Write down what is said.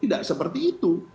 tidak seperti itu